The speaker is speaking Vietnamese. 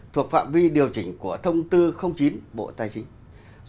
thuộc phạm vi điều chỉnh của thông tư chín bộ tài chính